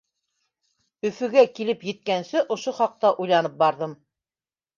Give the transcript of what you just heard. Өфөгә килеп еткәнсе ошо хаҡта уйланып барҙым.